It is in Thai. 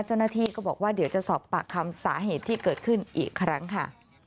เจ้าหน้าที่ก็บอกว่าเดี๋ยวจะสอบปากคำสาเหตุที่เกิดขึ้นอีกครั้งค่ะ